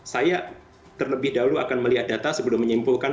saya terlebih dahulu akan melihat data sebelum menyimpulkan